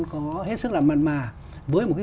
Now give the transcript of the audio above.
có hết sức làm mặt mà với một cái